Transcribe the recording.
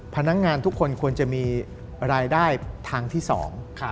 พนักงานทุกคนควรจะมีรายได้ทางที่สอง